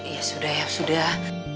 ya sudah ya sudah